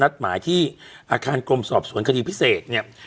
หมายที่อาคารกรมสอบสวนคดีพิเศษเนี่ย